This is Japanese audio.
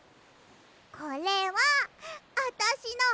これはあたしのおうち。